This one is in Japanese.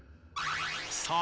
さあ